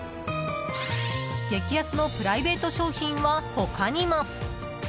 激安のプライベート商品は他にも。